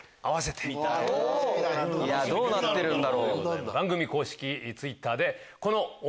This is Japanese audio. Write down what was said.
どうなってるんだろう？